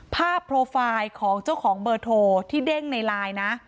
ภาพโปรไฟล์ของเจ้าของเบอร์โทรที่เด้งในไลน์นะ